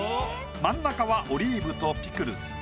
真ん中はオリーブとピクルス。